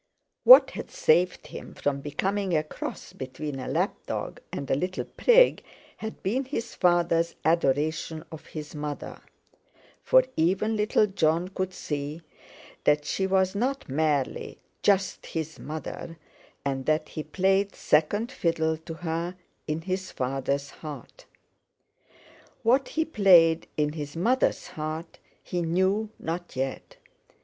What had saved him from becoming a cross between a lap dog and a little prig, had been his father's adoration of his mother, for even little Jon could see that she was not merely just his mother, and that he played second fiddle to her in his father's heart: What he played in his mother's heart he knew not yet.